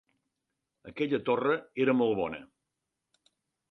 Aquella torra era molt bona